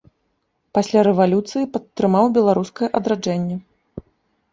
Пасля рэвалюцыі падтрымаў беларускае адраджэнне.